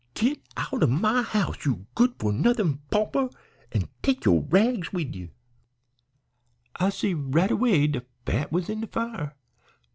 'Git out o' my house, you good for nothin' pauper, an' take yo' rags wid ye.' "I see right away de fat was in de fire.